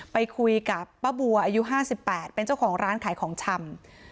ไปคุยกับป้าบัวอายุ๕๘เป็นเจ้าของร้านขายของชำ